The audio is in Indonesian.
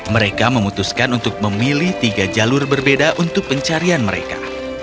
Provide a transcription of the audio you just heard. mereka memutuskan untuk memilih tiga jalur berbeda untuk pencarian mereka